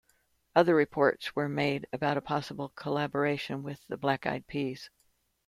Other reports were made about a possible collaboration with The Black Eyed Peas.